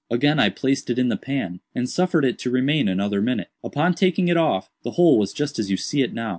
Again I placed it in the pan, and suffered it to remain another minute. Upon taking it off, the whole was just as you see it now."